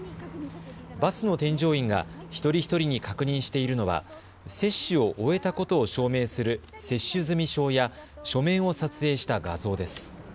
バスの添乗員が一人一人に確認しているのは接種を終えたことを証明する接種済証や書面を撮影した画像です。